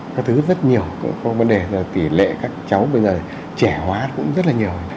các thứ rất nhiều cũng có vấn đề là tỷ lệ các cháu bây giờ trẻ hóa cũng rất là nhiều